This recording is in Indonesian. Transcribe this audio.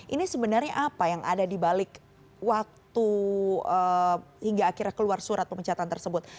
ini sebenarnya apa yang ada di balik waktu hingga akhirnya keluar surat pemecatan tersebut